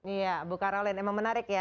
iya bu karolyn memang menarik ya